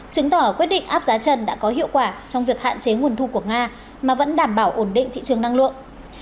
chứng tỏ quyết định áp giá trần đã có hiệu quả trong việc hạn chế nguồn thu của nga mà vẫn đảm bảo ổn định thị trường năng lượng